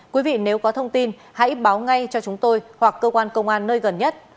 quý vị nếu có thông tin hãy báo ngay cho chúng tôi hoặc cơ quan công an nơi gần nhất